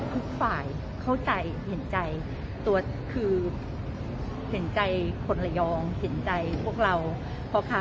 ทุกฝ่ายเข้าใจเห็นใจตัวคือเห็นใจคนระยองเห็นใจพวกเราพ่อค้า